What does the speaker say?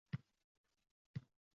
Dahshatning o‘zginasi